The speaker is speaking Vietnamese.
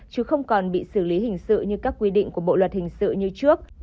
chứ không còn bị xử lý hình sự như các quy định của bộ luật hình sự như trước